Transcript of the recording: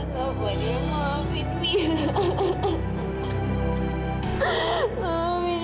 kak mila gak berguna